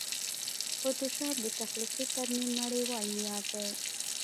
فوټوشاپ د تخلیقي ترمیم نړېوال معیار دی.